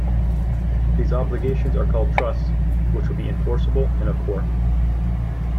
These obligations are called trusts which will be enforceable in a court.